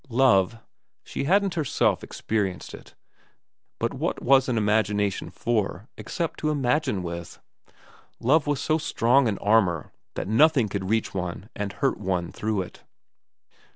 Love she hadn't her self experienced it, but what was an imagination for except to imagine with ? love was so strong an armour that nothing could reach one and hurt one through it.